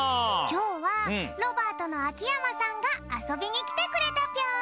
きょうはロバートの秋山さんがあそびにきてくれたぴょん！